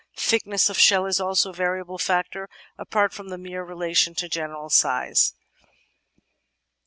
Thickness of shell is also a variable factor, apart from the mere relation to general size.